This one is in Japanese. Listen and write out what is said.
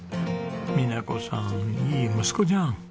美奈子さんいい息子じゃん！